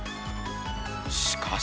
しかし